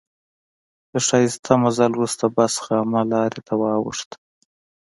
له ښایسته مزل وروسته بس خامه لارې ته واوښت.